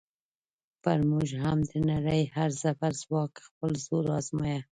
پر موږ هم د نړۍ هر زبرځواک خپل زور ازمایه.